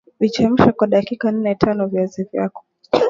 Vichemshe kwa dakika nnetanoviazi vyako